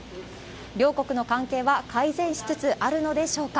両国の関係は改善しつつあるのでしょうか。